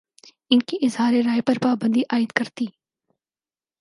ان کے اظہارِ رائے پر پابندی عائدکرتی